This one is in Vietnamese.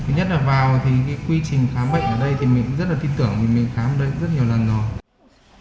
nhất là vào thì quy trình khám bệnh ở đây thì mình cũng rất tin tưởng mình khám ở đây rất nhiều lần rồi